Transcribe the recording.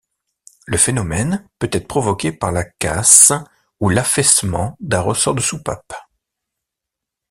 Le phénomène peut être provoqué par la casse ou l'affaissement d'un ressort de soupape.